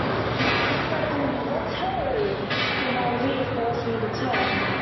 A sudden "What ho!" from my rear caused me to turn.